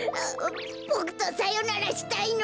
ボクとさよならしたいの？